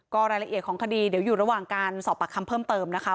ก็รายละเอียดของคดีเดี๋ยวอยู่ระหว่างการสอบปากคำเพิ่มเติมนะคะ